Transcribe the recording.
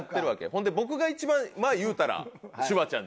ほんで僕が一番言うたらシュワちゃんじゃない。